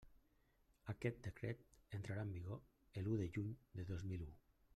Aquest decret entrarà en vigor l'u de juny de dos mil u.